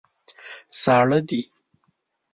ساړه دي.